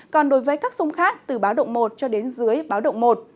còn đối với các sông khác từ báo động một cho đến dưới báo động một